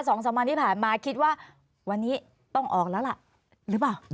สองสามวันที่ผ่านมาคิดว่าวันนี้ต้องออกแล้วล่ะหรือเปล่า